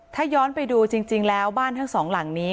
ถ้าย้อนไปดูจริงแล้วบ้านทั้งสองหลังนี้